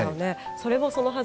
それもそのはず